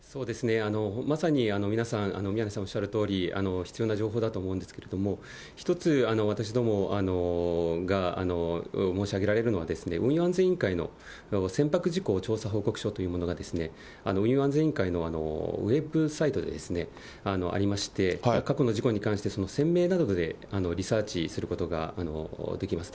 まさに皆さん、宮根さんおっしゃるとおり、必要な情報だと思うんですけれども、１つ私どもが申し上げられるのは、運輸安全委員会の船舶事故調査報告書というのが、運輸安全委員会のウェブサイトでありまして、過去の事故に関して、船名などでリサーチすることができます。